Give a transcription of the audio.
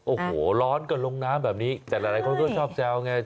โอ้โหร้อนก็ลงน้ำแบบนี้แต่หลายคนก็ชอบแซวไง